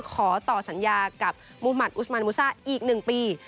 ขอต่อสัญญากับมุมัติอุสมันมูซ่าอีก๑ปี